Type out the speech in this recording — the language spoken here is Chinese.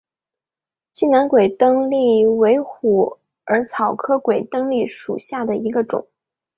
西南鬼灯檠为虎耳草科鬼灯檠属下的一个种。